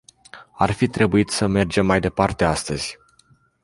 Ar fi trebuit să mergem mai departe astăzi.